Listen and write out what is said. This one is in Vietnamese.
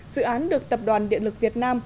dự án được tập đoàn điện lực việt nam